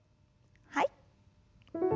はい。